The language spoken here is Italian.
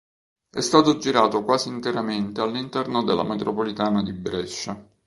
È stato girato quasi interamente all'interno della metropolitana di Brescia.